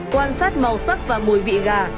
quan sát màu sắc và mùi vị gà